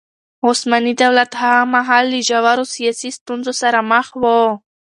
عثماني دولت هغه مهال له ژورو سياسي ستونزو سره مخ و.